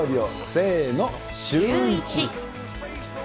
せーの、シューイチ。